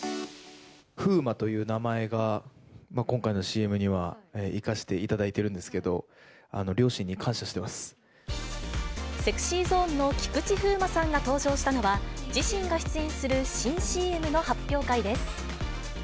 風磨という名前が、今回のＣＭには生かしていただいてるんでＳｅｘｙＺｏｎｅの菊池風磨さんが登場したのは、自身が出演する新ＣＭの発表会です。